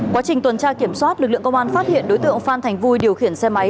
quá trình tuần tra kiểm soát lực lượng công an phát hiện đối tượng phan thành vui điều khiển xe máy